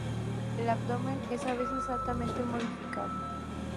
El abdomen es a veces altamente modificado.